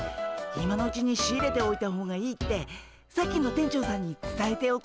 今のうちに仕入れておいた方がいいってさっきの店長さんにつたえておこうかなあ。